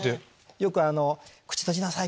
よく「口閉じなさい！